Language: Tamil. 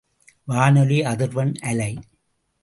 வானொலி அதிர்வெண் அலை.